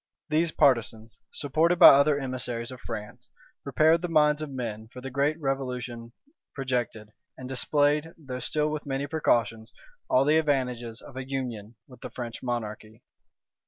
These partisans, supported by other emissaries of France, prepared the minds of men for the great revolution projected, and displayed, though still with many precautions, all the advantages of a union with the French monarchy.